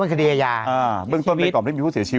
ยังไงยังไงยังไงยังไง